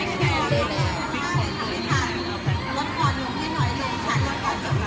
คาดประมาทถึงไม่เห็น